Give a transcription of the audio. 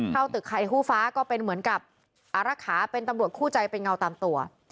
เข้าตึกไทยคู่ฟ้าก็เป็นเหมือนกับอารักษาเป็นตำรวจคู่ใจเป็นเงาตามตัว